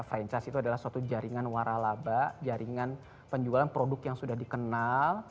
franchise itu adalah suatu jaringan waralaba jaringan penjualan produk yang sudah dikenal